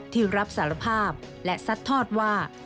ที่รับสารภาพและซัดทอดว่า